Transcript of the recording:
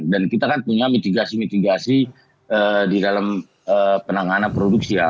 dan kita kan punya mitigasi mitigasi di dalam penanganan produksi ya